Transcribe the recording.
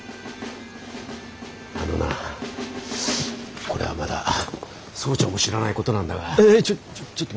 あのなこれはまだ総長も知らないことなんだが。